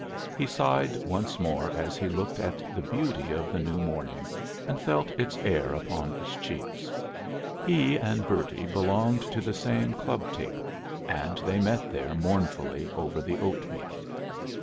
He sighed once more as he looked at the beauty of the new morning and felt its air upon his cheeks. He and Bertie belonged to the same club table, and they met there mournfully over the oatmeal.